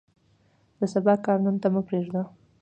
د سبا کار نن ته مه پرېږدئ.